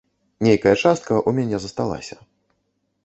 Нейкая частка ў мяне засталася.